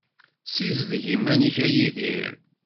Ssizdeg iman-ik a Yidir.